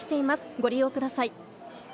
ご利用ください。